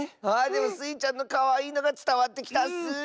あでもスイちゃんのかわいいのがつたわってきたッス！